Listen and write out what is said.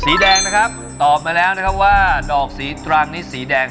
สีแดงนะครับตอบมาแล้วนะครับว่าดอกสีตรังนี่สีแดง